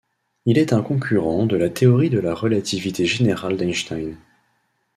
Il est un concurrent de la théorie de la relativité générale d'Einstein.